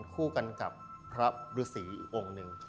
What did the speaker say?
คู่กันกับพระฤษีอีกองค์หนึ่ง